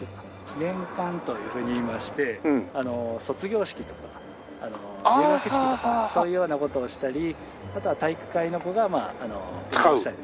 記念館というふうにいいまして卒業式とか入学式とかそういうような事をしたりあとは体育会の子が運動したり。